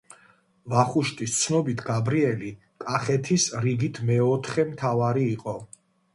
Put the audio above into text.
ვახუშტის ცნობით გაბრიელი კახეთის რიგით მეოთხე მთავარი იყო.